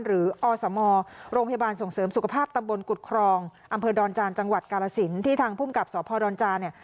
อสมโรงพยาบาลส่งเสริมสุขภาพตำบลกุฎครองอำเภอดอนจานจังหวัดกาลสินที่ทางภูมิกับสพดอนจาเนี่ย